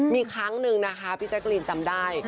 มีครั้งหนึ่งนะคะพี่แจ๊กรีนจำได้